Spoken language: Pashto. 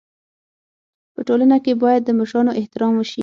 په ټولنه کي بايد د مشرانو احترام وسي.